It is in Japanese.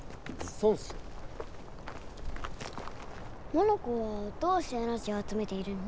モノコはどうしてエナジーをあつめているの？